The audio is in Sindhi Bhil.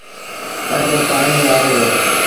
ائيٚݩ پو پآڻيٚ وآري دو